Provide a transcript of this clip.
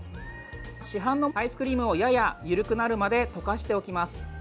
市販のアイスクリームをやや緩くなるまで溶かしておきます。